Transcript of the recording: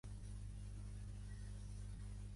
Ho he fet tot la vida.